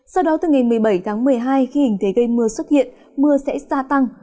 sau đó từ ngày một mươi bảy tháng một mươi hai khi hình thế gây mưa xuất hiện mưa sẽ gia tăng